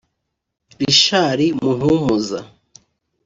Richard Muhumuza